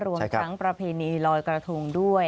รวมทั้งประเพณีลอยกระทงด้วย